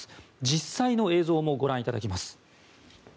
実際の映像もご覧いただきます。